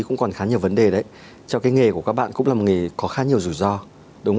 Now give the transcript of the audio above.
cũng còn khá nhiều vấn đề đấy cho cái nghề của các bạn cũng làm nghề có khá nhiều rủi ro đúng